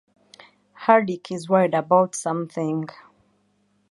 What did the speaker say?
Hardik is worried about something.